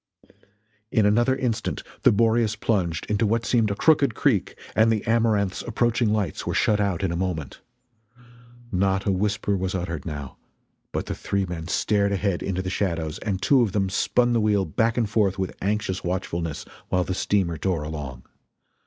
In another instant the Boreas plunged into what seemed a crooked creek, and the Amaranth's approaching lights were shut out in a moment. Not a whisper was uttered, now, but the three men stared ahead into the shadows and two of them spun the wheel back and forth with anxious watchfulness while the steamer tore along.